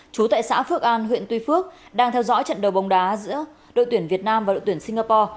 chú tại xã phước an huyện tuy phước đang theo dõi trận đấu bóng đá giữa đội tuyển việt nam và đội tuyển singapore